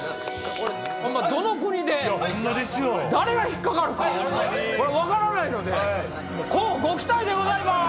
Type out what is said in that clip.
どの国で誰が引っかかるか分からないので乞うご期待でございます！